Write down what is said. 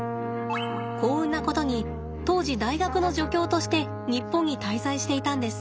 幸運なことに当時大学の助教として日本に滞在していたんです。